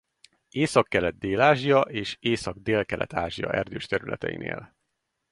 Északkelet-Dél-Ázsia és észak-Délkelet-Ázsia erdős területein él.